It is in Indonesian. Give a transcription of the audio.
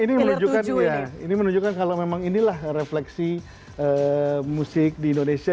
ini menunjukkan kalau memang inilah refleksi musik di indonesia